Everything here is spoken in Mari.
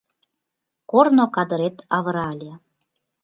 Корно кадырет авырале.